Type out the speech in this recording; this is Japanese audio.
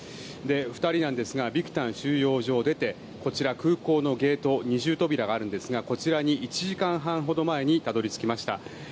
２人なんですがビクタン収容所を出てこちら、空港のゲート二重扉があるんですがこちらに１時間半ほど前にたどり着きました。